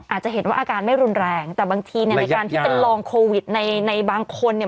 อาจจะเห็นว่าอาการไม่รุนแรงแต่บางทีเนี่ยในการที่เป็นรองโควิดในในบางคนเนี่ย